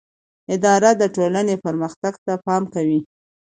اداره د ټولنې پرمختګ ته پام کوي.